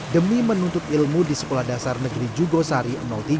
demi menuntut ilmu di sekolah dasar negeri jugosari tiga